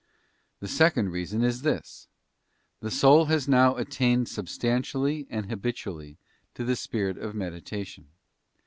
y% The second reason is this: the soul has now attained substantially and habitually to the spirit of meditation.